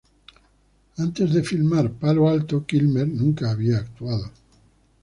Antes de filmar "Palo Alto", Kilmer nunca había actuado.